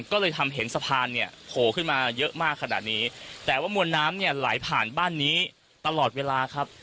ก็เลยทำเห็นสะพานเนี่ยโผล่ขึ้นมาเยอะมากขนาดนี้แต่ว่ามวลน้ำเนี่ยไหลผ่านบ้านนี้ตลอดเวลาครับ